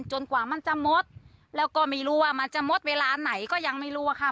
กว่ามันจะหมดแล้วก็ไม่รู้ว่ามันจะหมดเวลาไหนก็ยังไม่รู้อะค่ะ